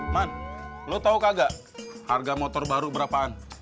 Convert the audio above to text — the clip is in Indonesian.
man lu tau kagak harga motor baru berapaan